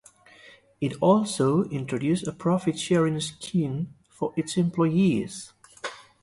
It also introduced a profit sharing scheme for its employees.